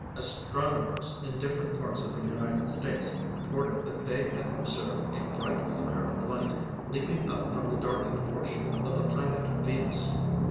Astronomers in different parts of the United States reported that they had observed a bright flare of light leaping up from the darkened portion of the planet Venus.